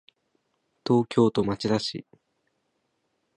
東京都町田市